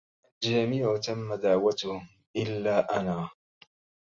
الجميع تم دعوتهم إلا أنا.